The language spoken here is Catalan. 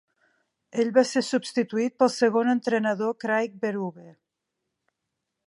Ell va ser substituït pel segon entrenador Craig Berube.